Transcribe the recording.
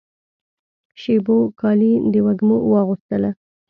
شېبو کالي د وږمو واغوستله